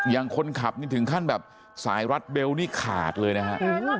อย่างคนขับนี่ถึงขั้นแบบสายรัดเบลต์นี่ขาดเลยนะฮะ